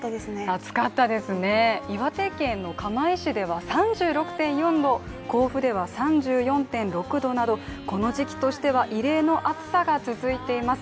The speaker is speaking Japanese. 暑かったですね、岩手県の釜石では３６．４度甲府では３４．６度などこの時期としては異例の暑さが続いています。